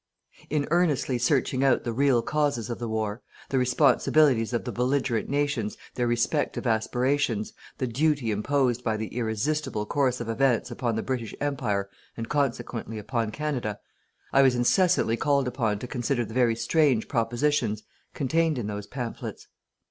"In earnestly searching out the real causes of the war, the responsibilities of the belligerent nations, their respective aspirations, the duty imposed by the irresistable course of events upon the British Empire and consequently upon Canada, I was incessantly called upon to consider the very strange propositions contained in those pamphlets."